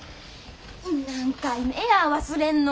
何回目や忘れんの。